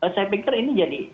saya pikir ini jadi